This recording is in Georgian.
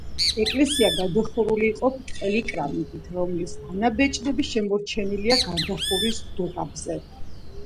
ეკლესია გადახურული იყო ბრტყელი კრამიტით, რომლის ანაბეჭდები შემორჩენილია გადახურვის დუღაბზე.